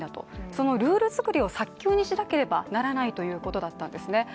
そのルール作りを早急にしなければならないということだったんですね。